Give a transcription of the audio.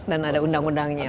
dan ada undang undangnya